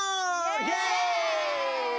イエーイ！